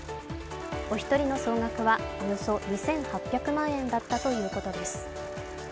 お一人の総額はおよそ２８００万円だったということです。